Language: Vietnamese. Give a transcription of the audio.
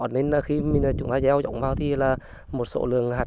nên khi chúng ta gieo dỗng vào thì là một số lượng hạt